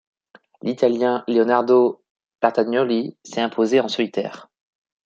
L'Italien Leonardo Bertagnolli s'est imposé en solitaire.